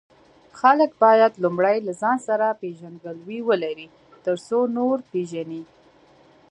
خلک باید لومړی له ځان سره پیژندګلوي ولري، ترڅو نور پیژني.